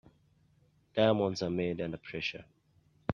Diamonds are made under pressure.